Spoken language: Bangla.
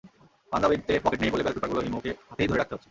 পাঞ্জাবিতে পকেট নেই বলে ব্যালট পেপারগুলো হিমুকে হাতেই ধরে রাখতে হচ্ছে।